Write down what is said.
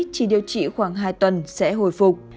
chỉ điều trị khoảng hai tuần sẽ hồi phục